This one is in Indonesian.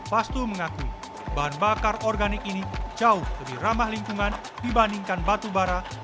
fastu mengakui bahan bakar organik ini jauh lebih ramah lingkungan dibandingkan batubara